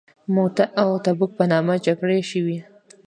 موته او تبوک په نامه جګړې شوي.